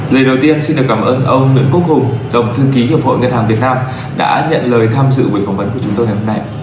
lời đầu tiên xin được cảm ơn ông nguyễn quốc hùng tổng thư ký hiệp hội ngân hàng việt nam đã nhận lời tham dự buổi phỏng vấn của chúng tôi ngày hôm nay